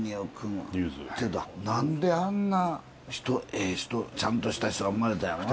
ちょっと何であんなええ人ちゃんとした人が生まれたんやろな。